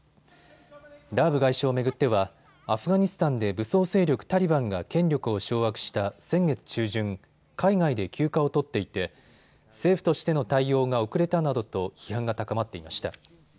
ラーブ外相を巡ってはアフガニスタンで武装勢力タリバンが権力を掌握した先月中旬、海外で休暇を取っていて政府としての対応が遅れたなどと批判が高まっていました。